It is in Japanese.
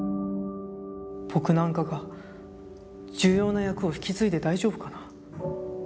僕なんかが重要な役を引き継いで大丈夫かな。